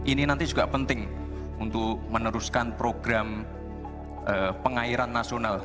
ini nanti juga penting untuk meneruskan program pengairan nasional